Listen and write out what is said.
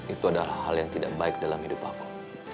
itu adalah hal yang tidak baik dalam hidup aku